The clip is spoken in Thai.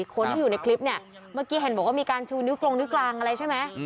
คนที่อยู่ในคลิปเนี่ยเมื่อกี้เห็นบอกว่ามีการชูนิ้วกรงนิ้วกลางอะไรใช่ไหม